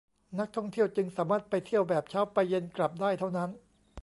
นักท่องเที่ยวจึงสามารถไปเที่ยวแบบเช้าไปเย็นกลับได้เท่านั้น